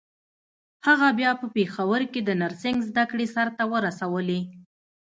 هغه بيا په پېښور کې د نرسنګ زدکړې سرته ورسولې.